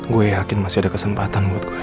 gue yakin masih ada kesempatan buat